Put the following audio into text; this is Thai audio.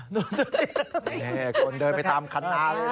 นี่คนเดินไปตามขนาด